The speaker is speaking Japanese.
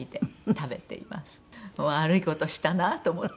悪い事したなと思って。